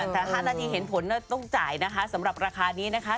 แต่๕นาทีเห็นผลต้องจ่ายนะคะสำหรับราคานี้นะคะ